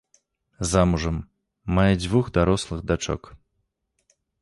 Замужам, мае дзвюх дарослых дачок.